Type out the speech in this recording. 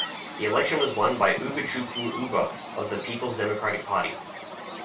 The election was won by Ugochukwu Uba of the Peoples Democratic Party.